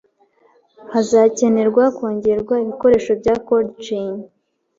Hazakenerwa kongerwa ibikoresho bya cold chain